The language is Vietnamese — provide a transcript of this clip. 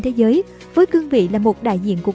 thế giới với cương vị là một đại diện của